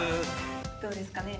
どうですかね？